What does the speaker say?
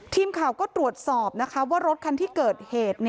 ทีมข่าวก็ตรวจสอบนะคะว่ารถคันที่เกิดเหตุ